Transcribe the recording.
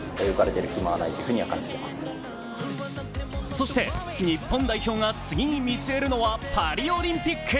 そして日本代表が次に見据えるのはパリオリンピック。